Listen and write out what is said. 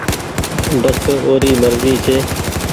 بس اوري مرزي ڇي۔